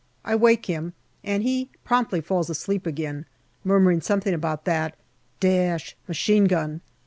I wake him, and he promptly falls asleep again, murmuring something about " that machine gun."